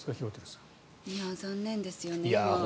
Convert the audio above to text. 残念ですよね。